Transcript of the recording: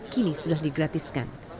kini sudah digratiskan